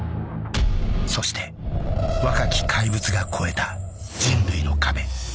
そして、若き怪物が越えた人類の壁。